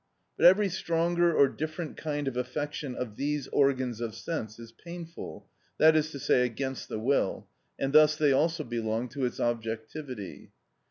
But every stronger or different kind of affection of these organs of sense is painful, that is to say, against the will, and thus they also belong to its objectivity.